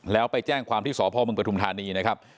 แล้วไปแจ้งความที่สพมปฐุมธานีนะครับ